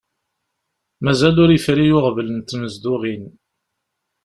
Mazal ur yefri uɣbel n tnezduɣin.